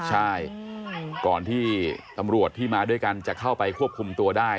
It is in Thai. ใช่ก่อนที่ตำรวจที่มาด้วยกันจะเข้าไปควบคุมตัวได้